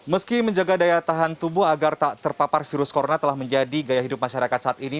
meski menjaga daya tahan tubuh agar tak terpapar virus corona telah menjadi gaya hidup masyarakat saat ini